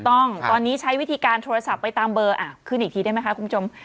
ต้องตอนนี้ใช้วิธีการโทรศัพท์ไปตามเบอร์ขึ้นอีกทีได้ไหมคะคุณผู้ชม